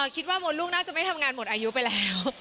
มดลูกน่าจะไม่ทำงานหมดอายุไปแล้ว